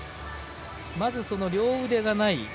まず両腕がない盧